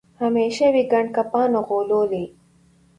همېشه وي ګنډکپانو غولولی